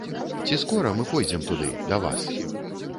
Ці скора мы пойдзем туды, да вас?